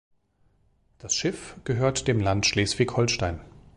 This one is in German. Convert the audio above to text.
Das Schiff gehört dem Land Schleswig-Holstein.